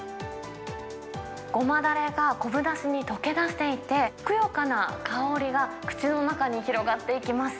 ごまだれが昆布だしに溶け出していて、ふくよかな香りが口の中に広がっていきます。